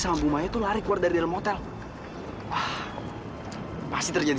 sambu maya tuh lari keluar dari rumahnya